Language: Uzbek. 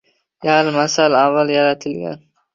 Yarim asr avval yaratilgan